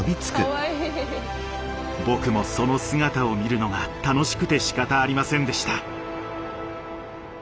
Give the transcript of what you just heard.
僕もその姿を見るのが楽しくてしかたありませんでした。